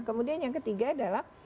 kemudian yang ketiga adalah